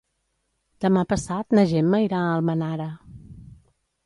Demà passat na Gemma irà a Almenara.